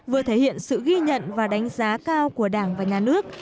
vừa thể hiện sự ghi nhận và đánh giá cao của đảng và nhà nước